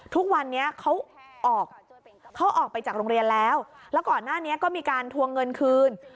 ทุกวันนี้เขาออกเขาออกไปจากโรงเรียนแล้วแล้วก่อนหน้านี้ก็มีการทวงเงินคืน